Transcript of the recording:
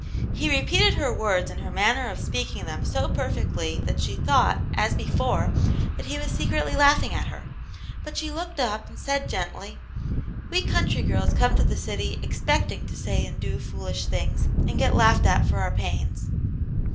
He repeated her words and her manner of speak ing them so perfectly, that she thought, as before, that he was secretly laughing at her ; but she looked up and said gently :" We country girls come to the city expecting to say and do foolish things, and get laughed at for our pains."